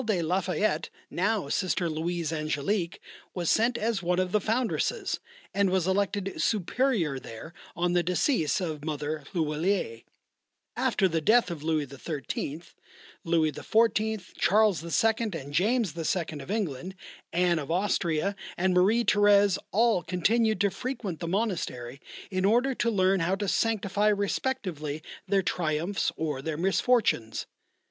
de la Fayette, now Sister Louise Angélique, was sent as one of the foundresses, and was elected Superior there on the decease of Mother L'huillier. After the death of Louis XIII., Louis XIV., Charles II., and James II. of England, Anne of Austria, and Marie Thérèse, all continued to frequent the monastery in order to learn how to sanctify respectively their triumphs or their misfortunes.